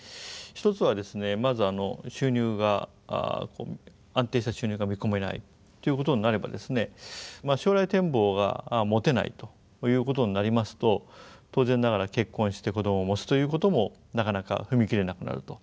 一つはですねまず安定した収入が見込めないということになれば将来展望が持てないということになりますと当然ながら結婚して子どもを持つということもなかなか踏み切れなくなると。